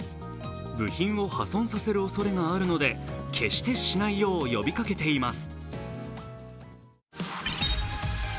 部品を破損させるおそれがあるので決してしないよう呼びかけています。